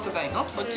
こっち？